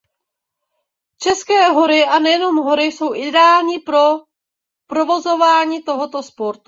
České hory a nejenom hory jsou ideální pro provozování tohoto sportu.